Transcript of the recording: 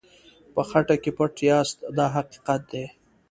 په خټه کې پټ یاست دا حقیقت دی.